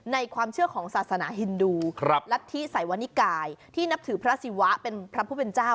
ความเชื่อของศาสนาฮินดูรัฐธิสายวนิกายที่นับถือพระศิวะเป็นพระผู้เป็นเจ้า